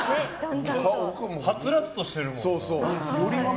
はつらつとしてるもん。